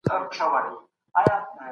تاسو د عادلانه پرېکړو بشپړ ملاتړ کړی دی.